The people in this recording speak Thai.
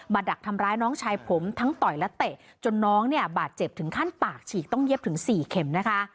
ดักทำร้ายน้องชายผมทั้งต่อยและเตะจนน้องเนี่ยบาดเจ็บถึงขั้นปากฉีกต้องเย็บถึง๔เข็มนะคะ